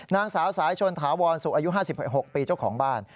นางสาวสายชนถาวรสุขอายุ๕๖ปีเจ้าของบ้าน